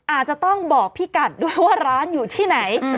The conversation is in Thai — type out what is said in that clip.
อาจจะต้องบอกพี่กัดด้วยว่าร้านอยู่ที่ไหน